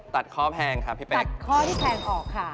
ตัดข้อแพงค่ะพี่เป๊ตัดข้อที่แพงออกค่ะ